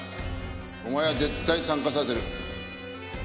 お前は絶対参加させる。